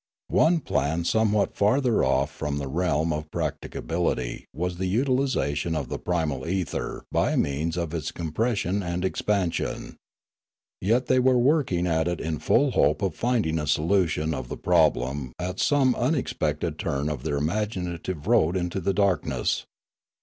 One plan somewhat farther off from the realm of practica bility was the utilisation of the primal ether by means of its compression and expansion. Yet they were working at it in full hope of finding a solution of the problem at some unexpected turn of their imaginative road into the darkness.